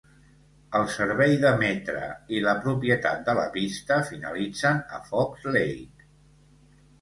El servei de Metra i la propietat de la pista finalitzen a Fox Lake.